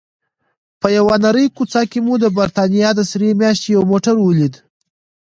په یوې نرۍ کوڅه کې مو د بریتانیا د سرې میاشتې یو موټر ولید.